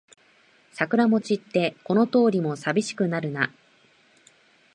桜も散ってこの通りもさびしくなるな